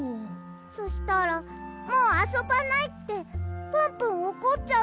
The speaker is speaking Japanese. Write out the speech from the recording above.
そしたら「もうあそばない」ってプンプンおこっちゃったの。